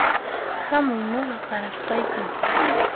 Hamuy nuqa qarasqayki